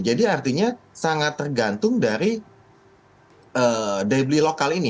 jadi artinya sangat tergantung dari dari beli lokal ini